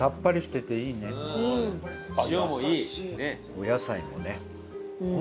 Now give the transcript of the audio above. お野菜もね。